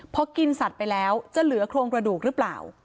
พอกินสัตว์ไปแล้วจะเหลือโครงกระดูกหรือเปล่า